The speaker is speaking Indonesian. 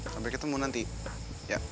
sampai ketemu nanti ya